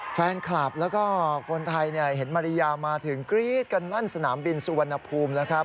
แฟนคลับแล้วก็คนไทยเห็นมาริยามาถึงกรี๊ดกันแน่นสนามบินสุวรรณภูมินะครับ